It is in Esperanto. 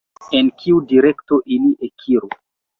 En kiu direkto ili ekiru?